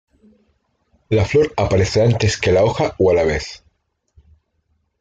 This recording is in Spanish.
La flor aparece antes que la hoja o a la vez.